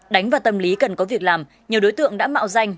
đánh vào tâm lý cần có việc làm nhiều đối tượng đã mạo danh